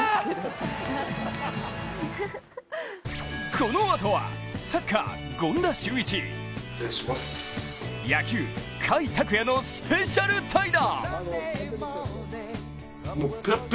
このあとはサッカー・権田修一野球・甲斐拓也のスペシャル対談。